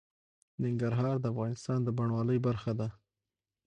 ننګرهار د افغانستان د بڼوالۍ برخه ده.